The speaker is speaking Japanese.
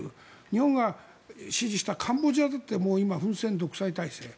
日本が支持したカンボジアだって今、独裁体制。